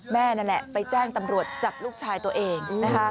แม่นั่นแหละไปแจ้งตำรวจจับลูกชายตัวเองนะคะ